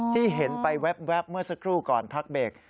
ที่เห็นไปแว๊บเมื่อสักครู่ก่อนพักเบรก